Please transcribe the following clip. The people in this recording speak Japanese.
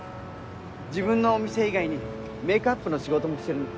自分のお店以外にメーキャップの仕事もしてるの。